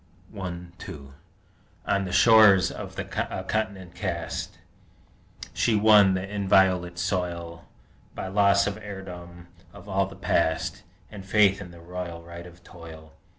I 2 On the shores of a Continent cast, She won the inviolate soil By loss of heirdom of all the Past, And faith in the royal right of Toil!